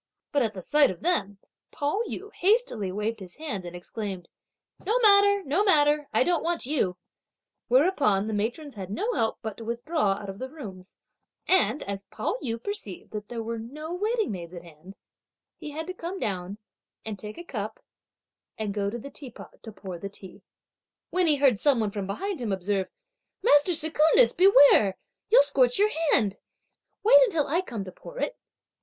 But at the sight of them, Pao yü hastily waved his hand and exclaimed: "No matter, no matter; I don't want you," whereupon the matrons had no help but to withdraw out of the rooms; and as Pao yü perceived that there were no waiting maids at hand, he had to come down and take a cup and go up to the teapot to pour the tea; when he heard some one from behind him observe: "Master Secundus, beware, you'll scorch your hand; wait until I come to pour it!"